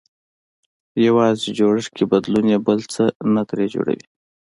يوازې جوړښت کې بدلون يې بل څه نه ترې جوړوي.